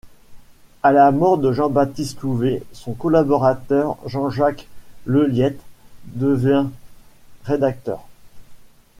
À la mort de Jean-Baptiste Louvet, son collaborateur, Jean-Jacques Leuliette, devient rédacteur.